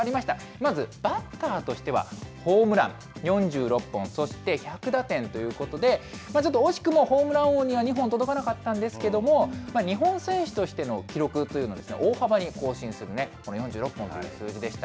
まずバッターとしてはホームラン４６本、そして１００打点ということで、ちょっと惜しくもホームラン王には２本届かなかったんですけれども、日本選手としての記録というのは、大幅に更新する、４６本という数字でした。